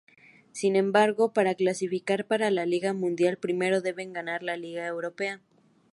Sin embargo, para clasificar para la Liga Mundial, primero deben ganar la Liga Europea.